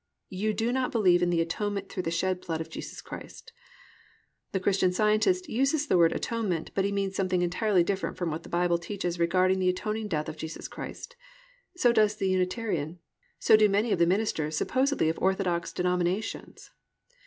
You do not believe in the Atonement through the shed blood of Jesus Christ." The Christian Scientist uses the word "atonement," but he means something entirely different from what the Bible teaches regarding the atoning death of Jesus Christ. So does the Unitarian. So do many of the ministers supposedly of orthodox denominations.